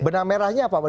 benah merahnya apa pak